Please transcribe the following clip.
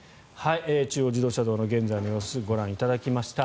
中央自動車道の現在の様子をご覧いただきました。